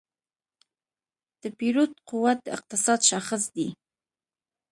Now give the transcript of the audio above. د پیرود قوت د اقتصاد شاخص دی.